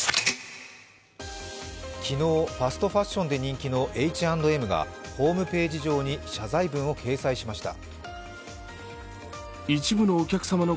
昨日、ファストファッションで人気のＨ＆Ｍがホームページ上に謝罪文を掲載しました。